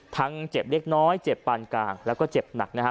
เจ็บเล็กน้อยเจ็บปานกลางแล้วก็เจ็บหนักนะครับ